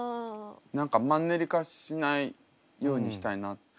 何かマンネリ化しないようにしたいなって。